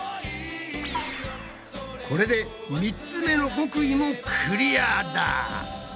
これで３つ目の極意もクリアだ！